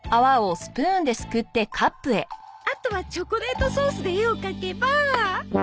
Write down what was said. あとはチョコレートソースで絵を描けば。